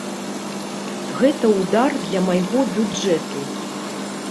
Гэта ўдар для майго бюджэту.